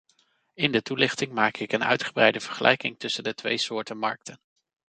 In de toelichting maak ik een uitgebreide vergelijking tussen de twee soorten markten.